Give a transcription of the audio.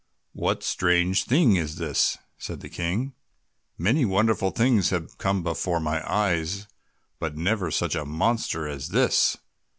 "What strange thing is this?" said the King. "Many wonderful things have come before my eyes, but never such a monster as this!